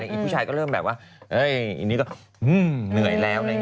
อีกผู้ชายก็เริ่มแบบว่าเฮ้ยอันนี้ก็เหนื่อยแล้ว